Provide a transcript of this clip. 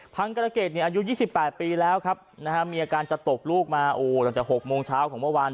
กรเกษอายุ๒๘ปีแล้วครับมีอาการจะตกลูกมาตั้งแต่๖โมงเช้าของเมื่อวาน